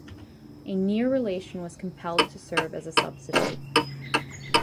A near relation was compelled to serve as a substitute.